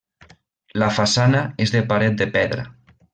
La façana és de paret de pedra.